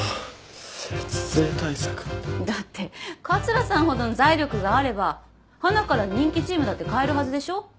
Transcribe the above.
だって桂さんほどの財力があればはなから人気チームだって買えるはずでしょ？